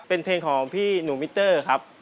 เป็นเพลงของพี่หนูมิเตอร์ครับ